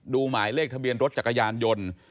หมายเลขทะเบียนรถจักรยานยนต์